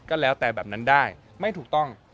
ก็แล้วแต่แบบนั้นได้ไม่ถูกต้อง